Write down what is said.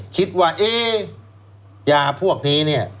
คิดว่าเอ๊ยาพวกนี้เนี่ย